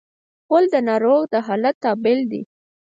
غول د ناروغ د حالت تابل دی.